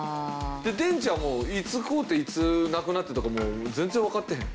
電池はもういつ買うていつなくなったとかもう全然わかってへん。